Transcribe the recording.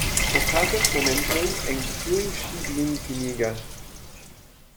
Okazas momentoj, en kiuj ŝi min timigas.